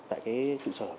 tại tự sở của công an